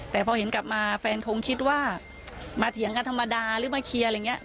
แต่พอเห็นกลับมาแฟนคงคิดว่ามาเถียงกันธรรมดาหรือมาเคลียร์อะไรอย่างนี้